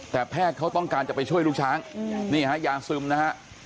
แต่แพทย์เขาต้องการจะไปช่วยลูกช้างนี่ฮะยาซึมนะฮะ